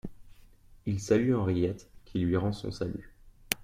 Il salue Henriette, qui lui rend son salut.